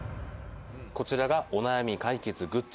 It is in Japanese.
こちらがお悩み解決グッズ。